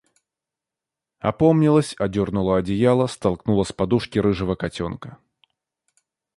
Опомнилась, одернула одеяло, столкнула с подушки рыжего котенка.